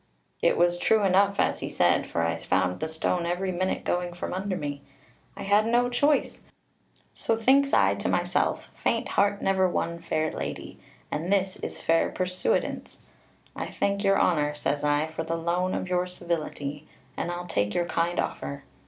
"It was true enough as he said, for I found the stone every minute going from under me. I had no choice; so thinks I to myself, faint heart never won fair lady, and this is fair persuadance. 'I thank your honour,' says I, 'for the loan of your civility; and I'll take your kind offer.'